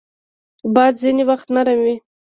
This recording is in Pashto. باد ځینې وخت نرم وي